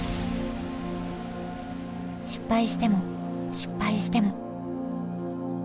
失敗しても失敗しても。